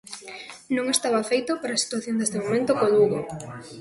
Non estaba afeito para a situación deste momento co Lugo.